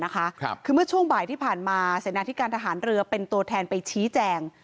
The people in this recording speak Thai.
คือเมื่อช่วงบ่ายที่ผ่านมาเสนาธิการทหารเรือเป็นตัวแทนไปชี้แจง